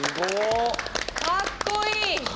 かっこいい！